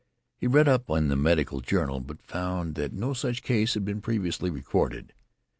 He read up on it in the medical journal, but found that no such case had been previously recorded.